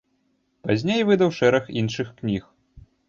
Пазней выдаў шэраг іншых кніг.